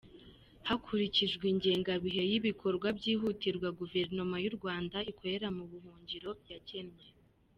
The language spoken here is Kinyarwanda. I. Hakurikijwe ingengabihe y’ibikorwa byihutirwa Guverinoma y’u Rwanda ikorera mu buhungiro yagennye